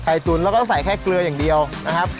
ไข่ตุ๋นเราก็ต้องใส่แค่เกลืออย่างเดียวนะครับ